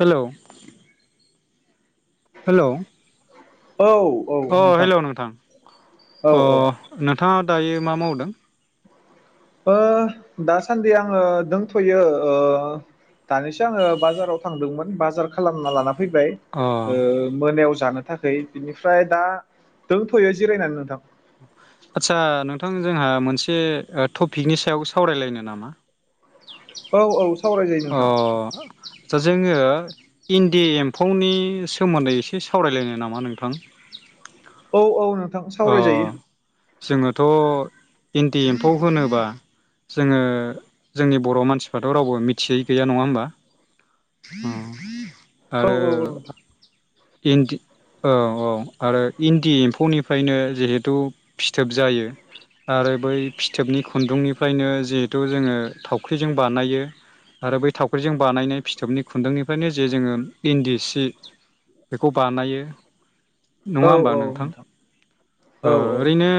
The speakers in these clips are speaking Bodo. हेलौ हेलौ औ अ हेलौ नोंथां औ अ औ नोंथाङा दायो मा मावदों? ओ दासान्दि आङो दंथ'यो ओ दानिसो आङो बाजाराव थांदोंमोन बाजार खालामना लाना फैबाय अ ओ मोनायावस जानो थाखाय बिनिफ्राय दा दोंथ'यो जिरायनानै नोंथां आच्चा नोंथा थां जोंहा मोनसे ओ टपिकनि सायाव सावरायलायनो नामा औ औ सावरायजायो नोंथां अह चा जोङो इन्दि एम्फौनि सोमोन्दै एसे सावरायलायनो नामा नोंथां? औ औ नो थां अ सावरायजायो जोङोथ' इन्दि एम्फौ होनोबा जोङो जोंनि बर' मानसिफ्राथ' रावबो मिथियै गैया नङा होमबा? औ आरो औ नोंथां इन्दि औ औ आरो इन्दि एम्फौनि फ्रायनो जिहेथु फिथोब जायो आरो बै फिथोबनि खु खुन्दुंनिफ्रायनो जे थु जोङो थाव ख्रिजों बानायो आरो बै थावख्रिजों बानायनाय फिथोबनि खुन्दुंनिफ्रायनो जे जोङो इन्दि सि बेखौ बानायो औ नङा होमबा औ नोंथां? औ अ ओरैनो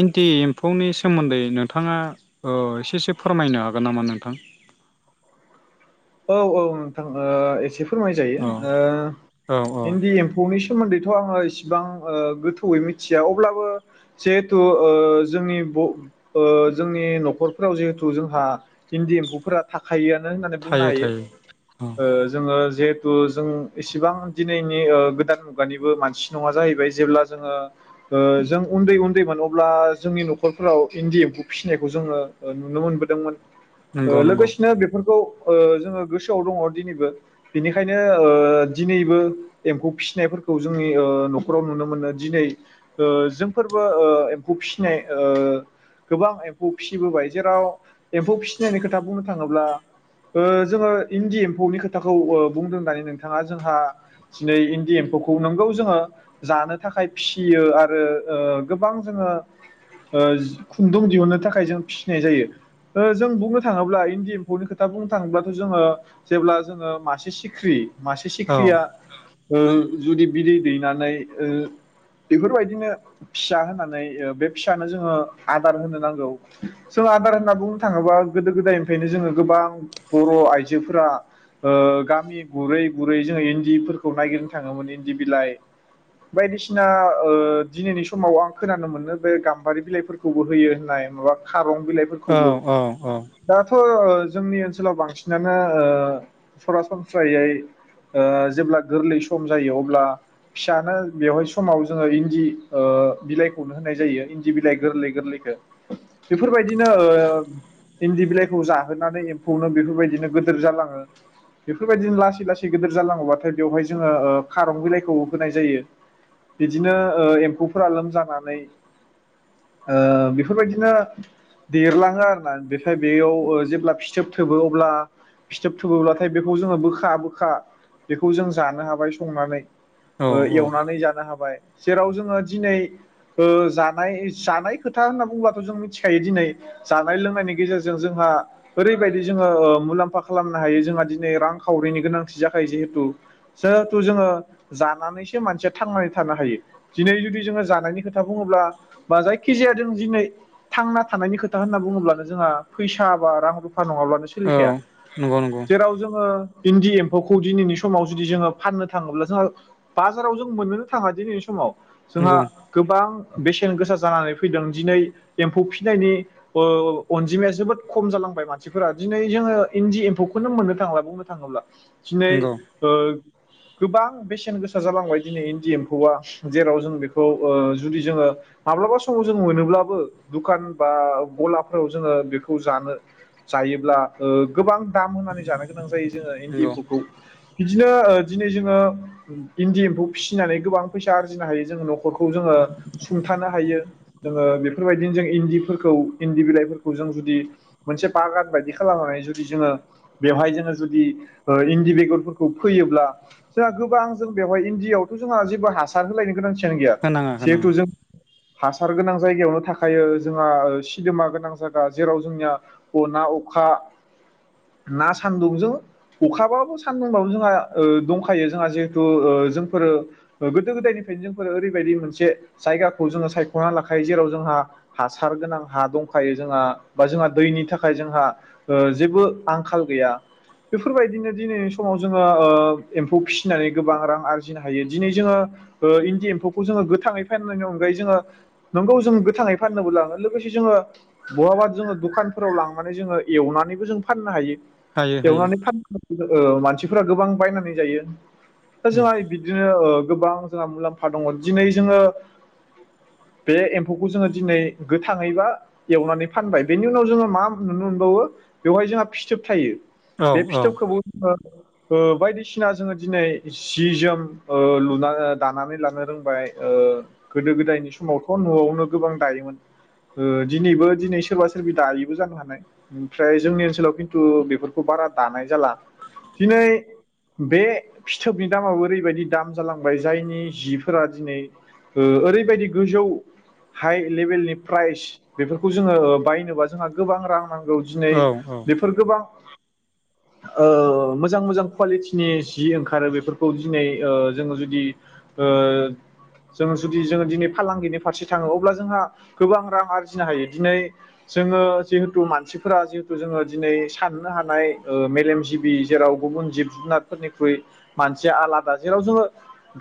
इन्टि एम्फौनि सोमोन्दै नोंथाङा एसेसो ओ फोरमायनो हागोन नामा नोंथां औ औ नोंथां एसे फोरमाय जायो औ ओ औ औ इन्दि एम्फौ नि सोमोन्दैथ' आङो इसेबां गोथौयै मिथिया अब्लाबो जिहेथु जोंनि जोंनि न'खरफोराव जिहेथु जोंहा इन्दि एम्फौफोरा थाखायोआनो होननानै बुंनो थायो हायो थायो औ ओ जोङो जिहेथु जों इसिबां दिनैनि गोदान मुगानिबो मानसि नङा जाहैबाय जेब्ला जोङो जों उन्दै उन्दैमोन अब्ला जोंनि न'खरफोराव इन्दि एम्फौ फिसिनायखौ जोङो नुनो मोनबोदोंमोन नंगौ ओ नंगौ लोगोसेनो बेफोरखौ जोङो गोसोआव दङ दिनैबो बिनिखायनो दिनैबो एम्फौ फिसिनायफोरखौ जोंनि न'खराव नुनो मोनो दिनै जोंफोरबो एम्फौ फिसिनाय गोबां एम्फौ फिसिबोबाय जेराव एम्फौ फिसि होननायनि खोथा बुंनो थाङो ब्ला जोङो इन्दि एम्फौनि खोथाखौ बुंदों दानि नोंथाङा जोंहा दिनै इन्दि एम्फौखौ नोंगौ जोङो जानो थाखाय फिसियो आरो गोबां जोङो खुन्दुं दिहुननो थाखाय जों फिसिनाय जायो जों बुंनो थाङोब्ला इन्दि एम्फौनि खोथा दा बुंनो थाङोब्लाथ' जोङो जेब्ला जोङो मासे सिख्रि मासे औ सिख्रिया जुदि बिदै दैनानै ओ बेफोरबायदिनो फिसा होनानै बे फिसानो जोङो आदार होनो नांगौ जों आदार होनना बुंनो थाङोबा गोदो गोदायनिफ्रायनो जोङो गोबां बर' आइजोफोरा गामि गुरै गुरै जोङो इन्दिफोरखौ नायागिरनो थाङोमोन इन्दि बिलाइ बायदिसिना ओ दिनैनि समाव आं खोनानो मोनो बे गाम्बारि बिलाइफोरखौबो हो होननाय माबा खार औ बिलाइफोरखौबो औ दाथ' जोंनि ओनसोलाव बांसिनानो सरासनस्रायै जेब्ला गोरलै सम जायो अब्ला फिसानो बेवहाय समाव जोङो इन्दि बिलाइखौनो होनाय जायो इन्दि बिलाइ गोरलै गोरलैखौ बेफोरबायदिनो इन्दि बिलाइखौ जाहोनानै उनाव बेफोरबायदिनो गोदोर जालाङो बेफोरबायदिनो लासै लासै गोदोथ जालांबाथाय बेवहाय जोङो खारनो बिलायखौ होनाय जायो इदिनो ओ एमफौफोरा लोमजानानै ओ बेफोरबायदिनो देरलाङो आरोना ओमफ्राय बेयाव ओ जेब्ला फिथोब थोबो अब्ला फिथोब थोबोब्लाथाय बेखौ जोङो बोखा बोखा बेखौ जों जानो हाबाय संनानै औ औ एवनानै जानो हाबाय जेराव जोङो दिनै जानाय जानाय खोथा होनना बुंङोबाथ' जों मिथिखायो दिनै जानाय लोंनायनि गेजेरजों जोंहा ओरैबायदि जोङो मुलाम्फा खालामनो हायो जोंहा दिनै रां खावरिनि गोनांथि जाखायो जिहेथु जोंहेथु जोङो जानानैसो मानसिया थांनानै थानो हायो दिनै जुदि जोङो जानायनि खोथा बुङोब्ला बा जायखि जाया जों दिनै थांना थानायनि खोथा होनना बुङोब्लानो जोंहा फैसा बा रां रु फा नङाब्लानो औ सोलिखाया नंगौ नंगौ जेराव जोङो इन्दि एम्फौखौ दिनैनि समाव जुदि जोङो फाननो थाङोब्ला जोंहा बाजाराव जों मोननोनो थाङा दिनैनि समाव जोंहा नंगौ गोबां बेसेन गोसा जानानै फैदों दिनै एम्फौ फिसिनायनि अनजिमाया जोबोद खम जालांबाय मान सिफोरा दिनै जोङो इन्दि एम्फौखौनो मोननो थांला बुंनो थाङोब्ला दिनै नंगौ ओ गोबां बेसेन गोसा जालांबाय दिनै इन्दि एम्फौआ जेराव जों बेखौ जुदि जोङो माब्लाबा समाव जों मोनोब्लाबो दुखान बा गलाफोराव जोङो बेखौ जानो जायोब्ला ओ गोबां दाम होननानै जानो गोनां जायो जोङो इन्दि नंगौ एम्फौखौ बिदिनो दिनै जोङो इन्दि एम्फौ फिसिनानै गोबां फैसा आरजिनो हायो जोङो न'खरखौ जोङो सुंथानो हायो जोङो बेफोरबायदिनो जों इन्दिफोरखौ इन्दि बिलाइफोरखौ जों जुदि मोनसे बागान बायदि खालामनानै जुदि जोङो बेवहाय जोङो जुदि इन्दि बेगरफोरखौ फैयोब्ला जोंहा गोबां जों बेवहाय इन्दियावथ' जोंहा जेबो हासार होलायनो गोनां गैया होनाङा होनाङा जिहेथु जों हासार गोनां जायगायावनो थाखायो जोंहा सिदोमा गोनां जायगा जेराव जोंनिया अ ना अखा ना सान्दुंजों अखाबाबो सान्दुंबाबो जोंहा ओ दंखायो जोंहा जिहेथु ओ जोंफोरो गोदो गोदायनिफ्रायनो जोंफोरो ओरैबायदि मोनसे जायगाखौ जोङो सायखना लाखायो जेराव जोंहा हासार गोनां हा दंखायो जोंहा बा जोंहा दैनि थाखाय थाखाय जोंहा ओ जेबो आंखाल गैया। बेफोरबायदिनो दिनै समाव जोंङो ओ एम्फौ फिसिनानै गोबां रां आरजिनो हायो। दिनै जोङो ओ इन्दि एम्फौखौ जोङो गोथाङै फाननायनि अनगायै जोङो नंगौ जों गोथाङै फाननोबो लाङो लोगोसे जोङो बहाबा जोङो दखानफोराव लां माने जोङो एवनानैबो जों फाननो हायो। हायो हायो एवनानै फान [unintelligible] ओ मानसिफोरा गोबां बायनानै जायो। दा‌ जोंहा बिदिनो ओ गोबां जोंहा मुलाम्फा दङ। दिनै जोङो बे एम्फौखौ जोङो दिनै गोथाङै बा एवनानै फानबाय बेनि उनाव जोङो मा नुनो मोनबावो बेवहाय जोंहा फिथोब थायो। औ बे औ फिथोबखौबो ओ ओ बायदिसिना जोङो दिनै सि जोम ओ लुना दानानै लानो रोंबाय। ओ गोदो गोदायनि समावथ' नआवनो गोबां दायोमोन। ओ दिनैबो दिनै सोरबा सोरबि दायबो जानो हाना ओमफ्राय जोंनि ओनसोलाव खिन्थु बेफोरखौ बारा दानाय जाला। दिनै बे फिथोबनि दामाबो ओरैबायदि दाम जालांबाय जायनि जिफोरा दिनै ओ ओरैबायदि गोजौ हाइ लेभेलनि प्राइस, बेफोरखौ जोङो बायनोबा जोंहा गोबां रां नांगौ। औ दिनै बेफोर गोबां ओ मोजां मोजां कुवालिटिनि जि ओंखारो बेफोरखौ दिनै ओ जोङो जुदि ओ जों जुदि जोङो दिनै फालांगिनि फारसे थाङो अब्ला जोंहा गोबां रां आरजिनो हायो दिनै जोङो जिहेथु मानसिफोरा जिहेथु जोङो दिनै साननो हानाय ओ मेलेम जिबि जेराव गुबुन जिब जुनारफोरनिख्रुइ मानसिया आलादा जेराव जोङो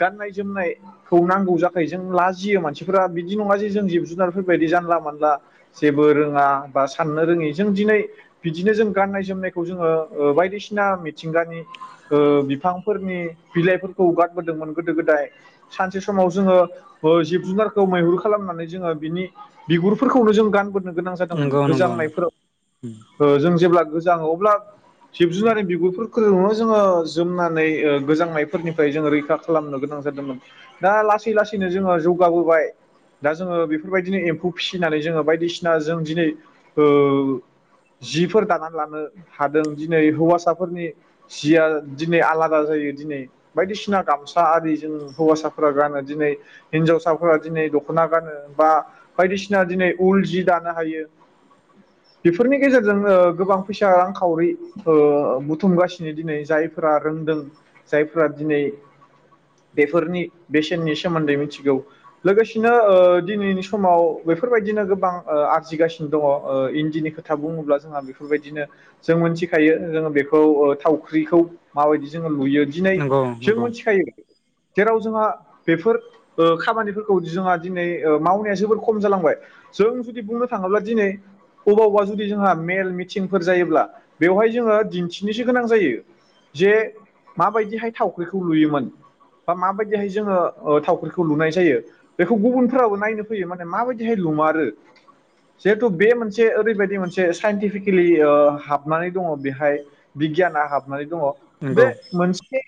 गाननाय जोमनायखौ नांगौ जाखायो जों लाजियो मानसिफोरा बिदि नङा जे जों जिब जुनारफोरबायदि जानला मानला जेबो रोङा बा साननो रोङि जों दिनै बिदिनो जों गाननाय जोमनायखौ जोङो ओ बायदिसिना मिथिंगानि ओ बिफांफोरनि बिलाइफोरखौ गानबोदोंमोन। गोदो गोदाय सानसे समाव जोङो ओ जिब जुनारखौ मैहुर खालामनानै जोङो बिनि बिगुरफोरखौनो जों गाननो गोनां जादोंमोन। नंगौ नंगौ गोजांनायफोराव ओ जों जेब्ला गोजाङो अब्ला जिब जुनार बिगुरफोरखौनो जोङो जोमनानै गोजांनायफोरनिफ्राय जोंङो रैखा खालामनो गोनां जादोंमोन। दा लासै लासैनो जोङो जौगाबोबाय दा जोङो बेफोरबायदिनो एम्फौ फिसिनानै जोङो बायदिसिना जों दिनै ओ जिफोर दानानै लानो हादों। दिनै हौवासाफोरनि जिया दिनै आलादा जायो दिनै बायदिसिना गामसा आरि जों हौवासाफोरा गानो, दिनै हिनजावसाफोरा दिनै दखना गानो बा बायदिसिना दिनै उल जि दानो हायो। बेफोरनि गेजेरजों ओ गोबां फैसा रांखावरि ओ बुथुमगासिनो दिनै जायफोरा रोंदों जायफोरा दिनै बेफोरनि बेसेननि सोमोन्दै मिथिगौ। लोगोसेनो ओ दिनैनि समाव बेफोरबायदिनो गोबां आरजिगासिनो दङ ओ इन्दिनि खोथा बुङोब्ला जोंहा बेफोरबायदिनो जों मिथिखायो जोङो बेखौ थावख्रिखौ माबायदि जों लुयो, दिनै नंगौ जों नंगौ मिथिखायो जेराव जोंहा बेफोर ओ खामानिफोरखौ जोंहा दिनै ओ मावनाया जोबोर खम जालांबाय जों जुदि बुंनो थाङोब्ला दिनै अबा अबा जुदि जोंहा मेल मिथिंफोर जायोब्ला बेवहाय जोङो दिन्थिनोसो गोनां जायो। जे माबायदिहाय थावख्रिखौ लुयोमोन बा माबायदिहाय जोङो थावख्रिखौ लुनाय जायो। बेखौ गुबुनफोराबो नायनो फैयो माने माबायदिहाय लुमारो जिहेथु बे मोनसे ओरैबायदि मोनसे साइन्टिफिकेलि ओ हाबनानै दङ बेहाय बिगियाना हाबनानै दङ बे नंगौ मोनसे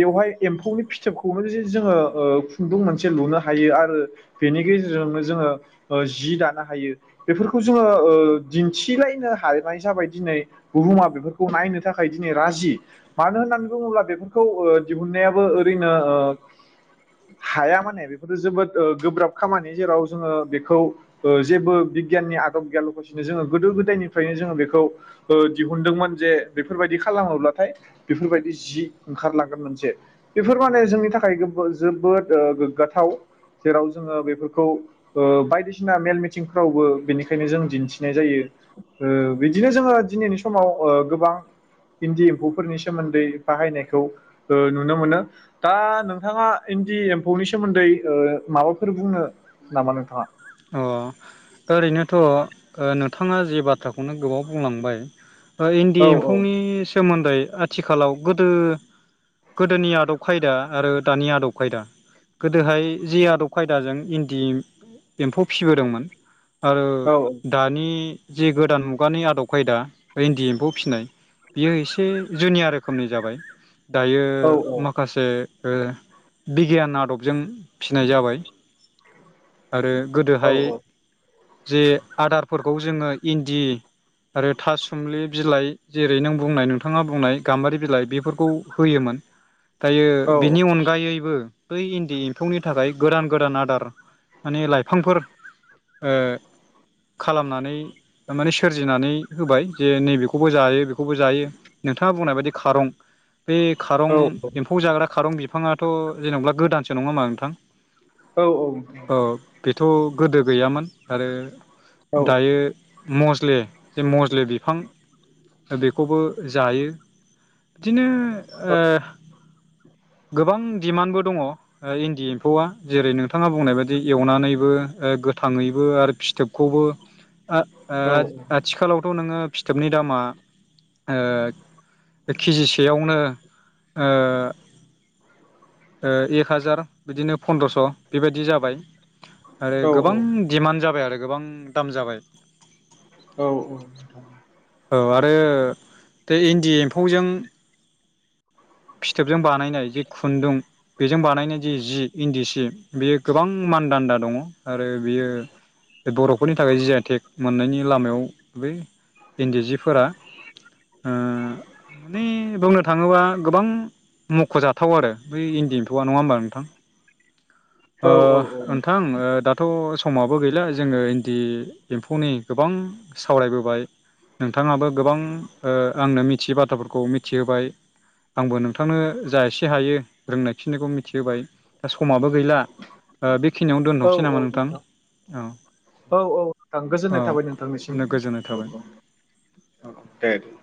बेवहाय एम्फौनि फिथोबखौनो जे जोङो ओ खुन्दुं मोनसे लुनो हायो आरो बेनि गेजेरजोंनो जोङो ओ जि दानो हायो। बेफोरखौ जोङो ओ दिन्थिलायनो हानाय जाबाय दिनै बुहुमा बेफोरखौ नायनो थाखाय दिनै राजि मानो होननानै बुङोब्ला बेफोरखौ ओ दिहुनन्नायाबो ओरैनो ओ हाया माने बेफोरो जोबोद ओ गोब्राब खामानि जेराव जोङो बेखौ ओ जेबो बिगियाननि आदब गैयालखासिनो जोङो गोदो गोदायनिफ्रायनो जोङो बेखौ ओ दिहुनदोंमोन जे बेफोरबायदि खालामोब्लाथाय बेफोरबायदि जि ओंखारलांगोन मोनसे। बेफोर माने जोंनि थाखाय जोबोर- जोबोद गोग्गाथाव जेराव जोङो बेफोरखौ ओ बायदिसिना मेल मिथिं रावबो बेनिखायनो जों दिन्थिनाय जायो। ओ बिदिनो जोङो दिनैनि समाव ओ गोबां इन्दि एम्फौफोरनि सोमोन्दै बाहायनायखौ ओ नुनो मोनो। दा नोंथाङा इन्दि एम्फौनि सोमोन्दै ओ माबाफोर बुंनो नामा नोंथाङा? अह ओरैनोथ' नोंथाङा जि बाथ्राखौनो गोबाव बुंलांबाय ओ इन्दि औ औ एम्फौनि सोमोन्दै आथिखालाव गोदो गोदोनि आदब खायदा आरो दानि आदब खायदा गोदोहाय जि आदब खायदाजों इन्दि एम्फौ फिसिबोदोंमोन आरो औ दानि जि गोदान मुगानि आदब खायदा इन्दि एम्फौ फिसिनाय बियो एसे जुनिया रोखोमनि जाबाय। दायो औ माखासे ओ बिगियान आदबजों फिसिनाय जाबाय आरो औ गोदोहाय जे आदारफोरखौ जोङो इन्दि आरो थासुमलि बिलाइ जेरै नों बुंनाय नोंथाङा बुंनाय गाम्बारि बिलाइ बेफोरखौ होयोमोन दायो औ बेनि अनगायै बो बै इन्दि एम्फौनि थाखाय गोदान गोदान आदार माने लाइफांफोर ओ खालामनानै माने सोरजिनानै होबाय जे नैबेखौबो जायो बेखौबो जायो नोंथाङा बुंनाय बायदि खारं बे खारं औ एम्फौ जाग्रा खारं बिफाङाथ' जेनेबा गोदानसो नङा हामा नोंथां? औ औ औ बे थ' गोदो गैयामोन आरो दायो मसलि जों मस लि बिफां दा बेखौबो जायो बिदिनो ओ गोबां दिमान्डबो दङ ओ इन्दि एम्फौआ जेरै नोंथाङा बुंनाय बायदि बिदि एवनानैबो ओ गोथाङैबो आरो फिथोब खौबो ओ ओ आथिखालावथ' नोङो फिथोबनि दामा ओ केजिसेयावनो ओ ओ एक हाजार बिदिनो पन्द्रस' बेबायदि जाबाय आरो गोबां डिमान्ड जाबाय आरो रो गोबां दाम जाबाय औ ओ औ आरो बे इन्दि एम्फौजों फिथोबजों बानायनाय जि खुन्दुं बेजों बानायनाय जि जि इन्दि सि बेयो गोबां मानदान्दा दङ आरो बेयो बर'फोरनि थाखाय जि आइ टेग मोननायनि लामायाव बे इन्दि सिफोरा ओ माने बुंनो थाङोब गोबां मख'जाथाव आरो बै इन्दि एम्फौआ नङा होमबा नोंथां ओ नोंथां दाथ' समाबो गैला जोङो इन्दि एम्फौनि गोबां सावरायबोबाय नोंथाङाबो गोबां ओ आंनो मिथियै बाथ्राफोरखौ मिथिहोबाय आंबो नोंथांनो जा एसे हायो रोंनाय बेखिनिखौ मिथिहोबाय दा समाबो गैला ओ बेखिनियावनो दोनथ'सै नामा नोंथां औ औ औ नोंथां गोजोननाय थाबाय औ नोंथांनिसिम नो गोजोननाय औ थाबाय। औ दे दे